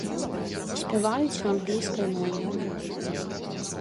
Спяваюць на англійскай мове.